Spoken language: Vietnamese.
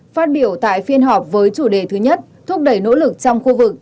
phát biểu tại phiên họp với chủ đề thứ nhất thúc đẩy nỗ lực trong khu vực